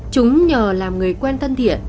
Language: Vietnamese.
chúng nhờ làm người quen thân thiện